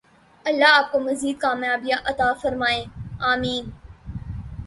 الله آپکو مزید کامیابیاں عطا فرمائے ۔آمین